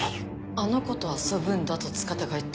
「あの子と遊ぶんだ」と塚田が言った。